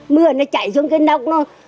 mưa nó chạy xuống cái nóc nó